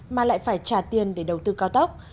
mà lại phải trả tiền để đầu tư cao tốc